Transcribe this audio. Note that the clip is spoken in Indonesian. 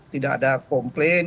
tidak ada komplain